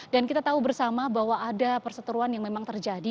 dan kita tahu bersama bahwa ada perseteruan yang memang terjadi